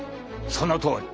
そのとおり！